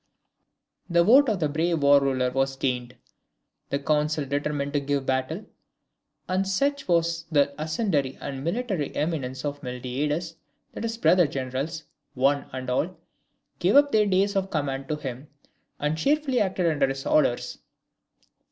] The vote of the brave War Ruler was gained; the council determined to give battle; and such was the ascendancy and military eminence of Miltiades, that his brother generals, one and all, gave up their days of command to him, and cheerfully acted under his orders.